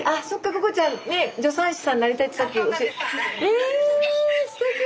えすてき！